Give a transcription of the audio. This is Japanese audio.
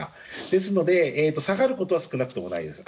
ですので、下がることは少なくともないです。